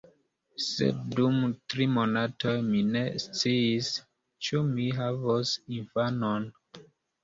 Sed dum tri monatoj mi ne sciis, ĉu mi havos infanon.